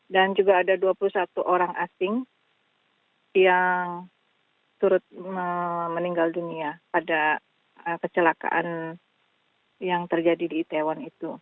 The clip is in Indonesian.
dan juga ada dua puluh satu orang asing yang turut meninggal dunia pada kecelakaan yang terjadi di itaewon itu